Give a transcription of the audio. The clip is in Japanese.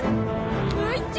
もう一丁！